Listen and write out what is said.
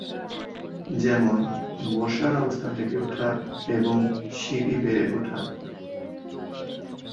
যেমন বসার অবস্থান থেকে উঠা এবং সিঁড়ি বেয়ে উঠা।